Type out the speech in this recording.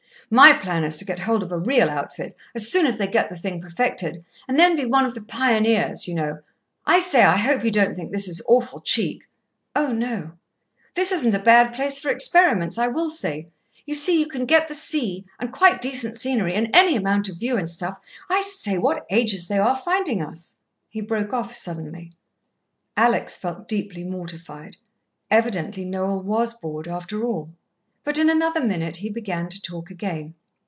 "My plan is to get hold of a real outfit, as soon as they get the thing perfected, and then be one of the pioneers, you know. I say, I hope you don't think this is awful cheek " "Oh, no!" "This isn't a bad place for experiments, I will say. You see, you can get the sea, and quite decent scenery, and any amount of view and stuff. I say, what ages they are finding us," he broke off suddenly. Alex felt deeply mortified. Evidently Noel was bored, after all. But in another minute he began to talk again.